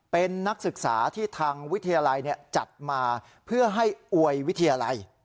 เป็นนักศึกษาที่ทางวิทยาลัยจัดมาเพื่อให้อวยวิทยาลัย